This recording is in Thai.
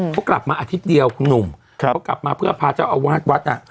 เขากลับมาอาทิตย์เดียวคุณหนุ่มเขากลับมาเพื่อพาเจ้าอาวาสวัดน่ะ